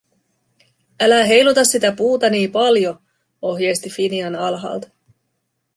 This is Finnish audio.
"Älä heiluta sitä puuta nii paljo", ohjeisti Finian alhaalta.